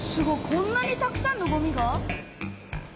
こんなにたくさんのごみが？